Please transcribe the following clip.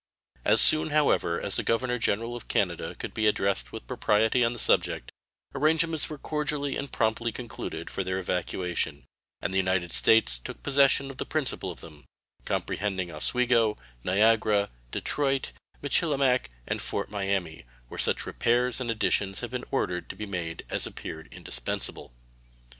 As soon, however, as the Governor General of Canada could be addressed with propriety on the subject, arrangements were cordially and promptly concluded for their evacuation, and the United States took possession of the principal of them, comprehending Oswego, Niagara, Detroit, Michilimackinac, and Fort Miami, where such repairs and additions have been ordered to be made as appeared indispensable.